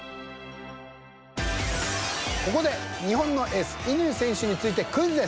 ここで日本のエース乾選手についてクイズです。